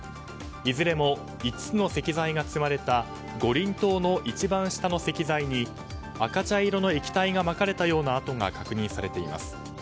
いずれも５つの石材が積まれた五輪塔の一番下の石材に赤茶色の液体がまかれたような跡が確認されています。